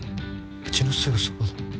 うちのすぐそばだ。